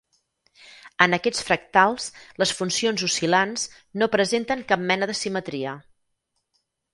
En aquests fractals les funcions oscil·lants no presenten cap mena de simetria.